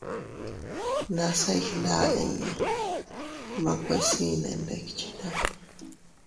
Nase iygnda inña, makue sii nee ndikchita.